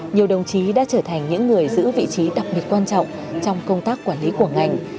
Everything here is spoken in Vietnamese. nhiều đồng chí đã trở thành những người giữ vị trí đặc biệt quan trọng trong công tác quản lý của ngành